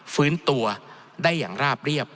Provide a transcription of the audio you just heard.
ฟื้นตัวได้อย่างราบเรียบ